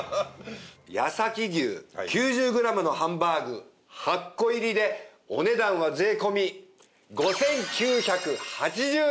八崎牛９０グラムのハンバーグ８個入りでお値段は税込５９８０円です。